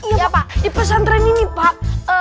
iya pak di pesantren ini pak